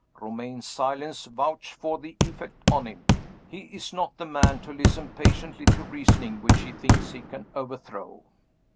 Romayne's silence vouched for the effect on him. He is not the man to listen patiently to reasoning which he thinks he can overthrow.